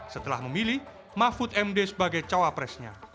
setelah memilih mahfud md sebagai cawapresnya